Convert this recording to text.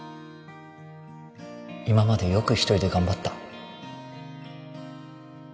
今までよく１人で頑張った